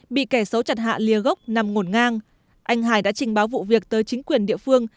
bị kẻ xấu chặt hạ lìa gốc nằm ngổn ngang anh hải đã trình báo vụ việc tới chính quyền địa phương